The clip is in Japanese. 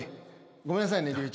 ごめんなさいね隆一